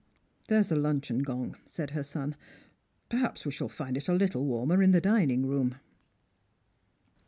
•' There's the luncheon gong," said her son. " Perhaps we shall find it a little warmer in the dining room."